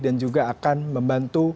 dan juga akan membantu